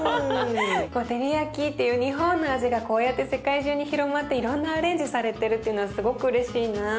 テリヤキっていう日本の味がこうやって世界中に広まっていろんなアレンジされてるっていうのはすごくうれしいな。